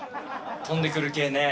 飛んでくる系ね。